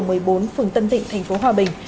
phường tân tịnh tp hòa bình